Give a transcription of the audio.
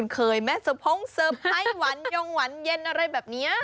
เคยแม่สะพงเซอร์ไพรส์หวานยงหวานเย็นอะไรแบบนี้